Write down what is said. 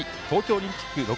東京オリンピック